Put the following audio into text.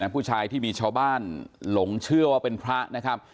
ผู้ชายที่มีชาวบ้านหลงเชื่อว่าเป็นพระนะครับ